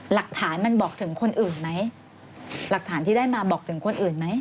หลักฐานมันบอกถึงคนอื่นไหมหลักฐานที่ได้มาบอกถึงคนอื่นไหม